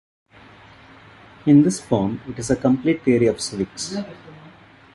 In this form it is a complete theory of civics.